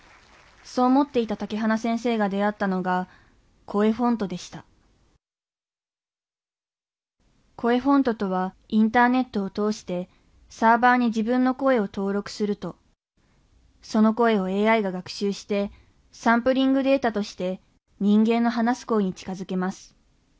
そう思っていた竹花先生が出会ったのが「ＣｏｅＦｏｎｔ」でしたＣｏｅＦｏｎｔとはインターネットを通してサーバーに自分の声を登録するとその声をＡＩが学習してサンプリングデータとして人間の話す声に近づけます。